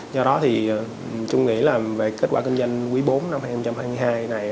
do đó thì tôi nghĩ là về kết quả kinh doanh quý bốn năm hai nghìn hai mươi hai này